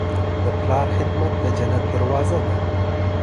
د پلار خدمت د جنت دروازه ده.